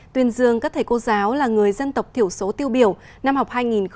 tuyên dương các thầy cô giáo là người dân tộc thiểu số tiêu biểu năm học hai nghìn một mươi chín hai nghìn hai mươi